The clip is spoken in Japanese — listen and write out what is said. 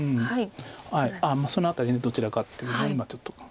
その辺りどちらかっていうのを今ちょっと考えて。